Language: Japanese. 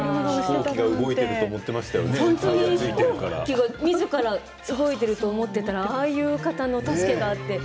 飛行機がみずから動いてると思ったら、ああいう方の助けがあって。